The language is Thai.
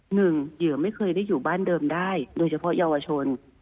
เหยื่อไม่เคยได้อยู่บ้านเดิมได้โดยเฉพาะเยาวชน